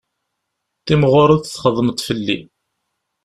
Timɣureḍ txedmeḍ fell-i.